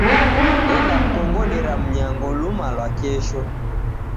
Nendamkongodera mnyango luma lwa kesho.